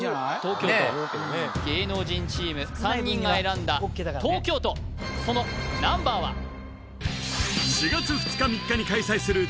東京都芸能人チーム３人が選んだ東京都そのナンバーは？